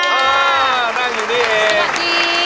นั่งอยู่นี่